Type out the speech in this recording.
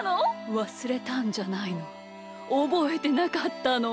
わすれたんじゃないのおぼえてなかったの！